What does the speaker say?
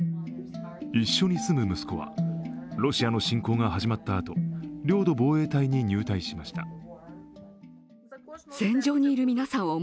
一緒に住む息子は露西亜の侵攻が始まったあと、領土防衛隊に入隊しました。